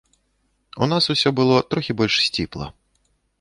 У нас усё было трохі больш сціпла.